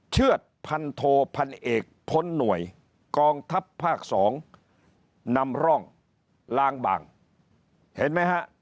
เชื่อดพันโทพันเอกพ้นหน่วยกองทัพภาค๒นำร่องล้างบางเห็นไหมฮะ